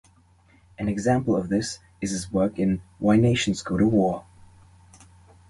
An example of this is his work in "Why Nations Go to War".